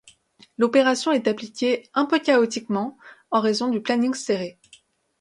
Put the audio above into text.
L'opération est appliquée un peu chaotiquement en raison du planning serré.